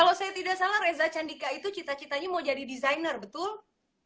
kalau saya tidak salah reza candika itu cita citanya mau jadi desainer betul